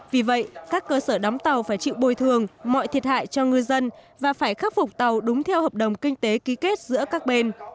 vì vậy các cơ sở đóng tàu phải chịu bồi thường mọi thiệt hại cho ngư dân và phải khắc phục tàu đúng theo hợp đồng kinh tế ký kết giữa các bên